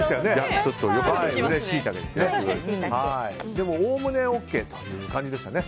でも、おおむねＯＫという感じでしたね。